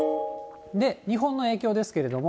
日本の影響ですけれども。